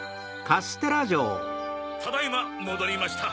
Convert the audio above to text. ただいまもどりました。